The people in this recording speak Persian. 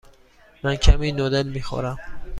من کمی نودل می خورم.